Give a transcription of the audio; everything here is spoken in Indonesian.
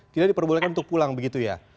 tidak diperbolehkan untuk pulang begitu ya